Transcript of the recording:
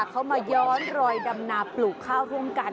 เขามาย้อนรอยดำนาปลูกข้าวร่วมกัน